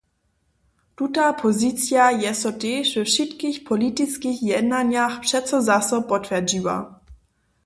Tuta pozicija je so tež we wšitkich politiskich jednanjach přeco zaso potwjerdźiła.